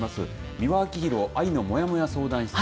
美輪明宏愛のモヤモヤ相談室